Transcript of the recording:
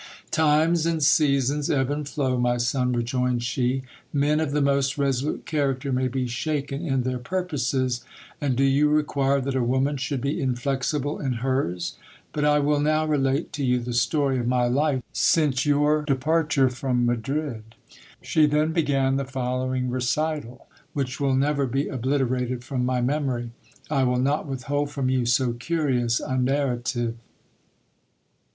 Times and seasons ebb and flow, my son, rejoined she. Men of the most resolute character may be shaken in their purposes : and do you require that a woman should be inflexible in hers ? But I will now relate to you the story of my life since your departure from Madrid. She then began the following recital, which will never be obliterated from my memory. I will not withhold from you so curious a narrative.